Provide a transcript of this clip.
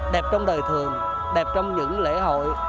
đẹp trong đời thường đẹp trong những lễ hội